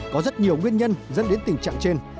có rất nhiều nguyên nhân dẫn đến tình trạng trên